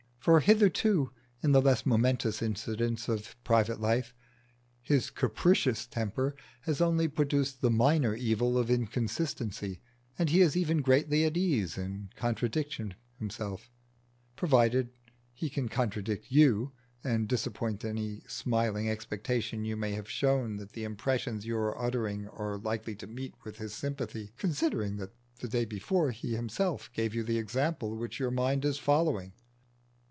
For hitherto, in the less momentous incidents of private life, his capricious temper has only produced the minor evil of inconsistency, and he is even greatly at ease in contradicting himself, provided he can contradict you, and disappoint any smiling expectation you may have shown that the impressions you are uttering are likely to meet with his sympathy, considering that the day before he himself gave you the example which your mind is following.